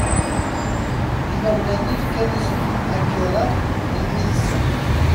Imawlan-nni fkan isem n Akira i mmi-tsen.